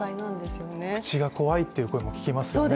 子供は口が怖いという声も聞きますよね。